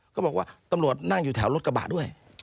เขาบอกว่าตำรวจนั่งอยู่แถวรถกระบะด้วย